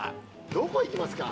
どこ行きますか？